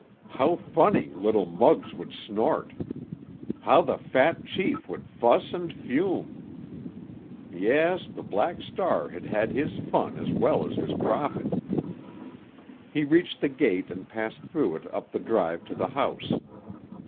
How funny little Muggs would snort! How the fat chief would fuss and fume! Yes—the Black Star had had his fun as well as his profit! He reached the gate and passed through it up the drive to the house.